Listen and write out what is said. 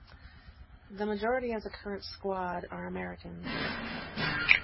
The majority of the current squad are American.